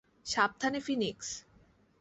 সাবধানে, ফিনিক্স।